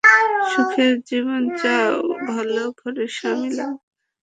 সুখের জীবন চাও, ভালো ঘরের স্বামী লাগবে।